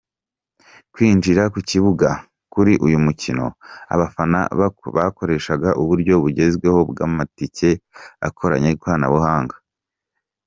Kwinjira ku kibuga kuri uyu mukino abafana bakoreshaga uburyo bugezweho bw’amatike akoranye ikoranabuhanga.